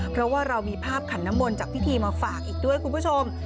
เพราะว่าเรามีภาพขันน้ำมนต์จากพิธีมาฝากอีกด้วยคุณผู้ชม